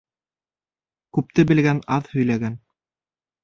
Күпте белгән аҙ һөйләгән.